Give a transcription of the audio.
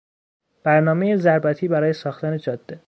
برنامهی ضربتی برای ساختن جاده